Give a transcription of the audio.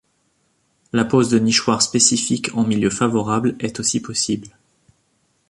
La pose de nichoirs spécifiques en milieu favorable est aussi possible.